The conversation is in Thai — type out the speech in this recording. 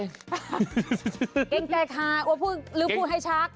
เกรงใจหายหรือพูดให้ชัก